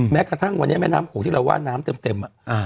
แม้กระทั่งวันนี้แม่น้ำโขงที่เราว่าน้ำเต็ม